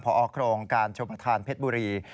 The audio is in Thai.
พอออกรงการชมภาษาเพชรบุรี